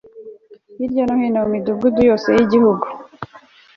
hirya no hino mu Midugudu yose y Igihugu